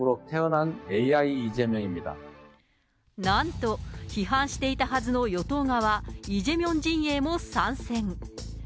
なんと、批判していたはずの与党側、イ・ジェミョン陣営も参戦。